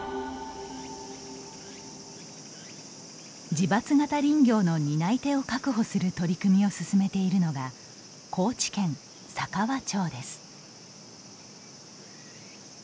自伐型林業の担い手を確保する取り組みを進めているのが高知県佐川町です。